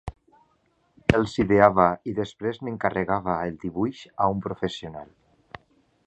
Els ideava i després n'encarregava el dibuix a un professional.